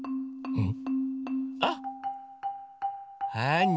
うん。